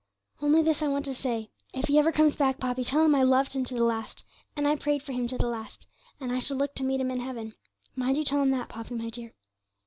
Only this I want to say: if he ever comes back, Poppy, tell him I loved him to the last, and I prayed for him to the last, and I shall look to meet him in heaven; mind you tell him that, Poppy, my dear.'